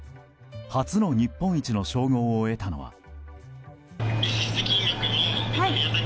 初の日本一の称号を得たのは。